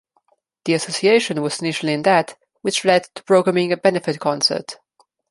The association was initially in debt, which led to programming a benefit concert.